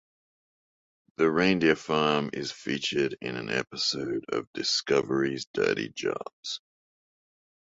The Reindeer farm is featured in an episode of Discovery's Dirty Jobs.